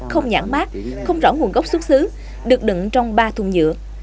không nhãn mát không rõ nguồn gốc xuất xứ được đựng trong ba thùng nhựa